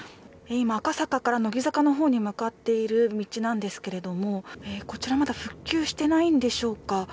今、赤坂から乃木坂のほうへ向かっている道ですがこちら、まだ復旧してないんでしょうか